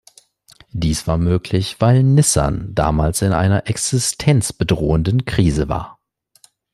Dies war möglich, weil Nissan damals in einer existenzbedrohenden Krise war.